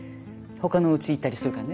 他のうち行ったりするからね。